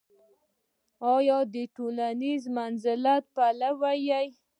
یا د ټولنیز منزلت له پلوه وي.